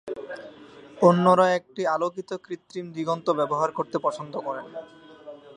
অন্যরা একটি আলোকিত কৃত্রিম দিগন্ত ব্যবহার করতে পছন্দ করেন।